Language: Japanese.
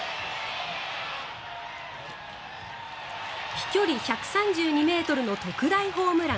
飛距離１３２ｍの特大ホームラン。